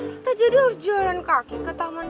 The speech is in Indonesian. kita jadi harus jalan kaki ke taman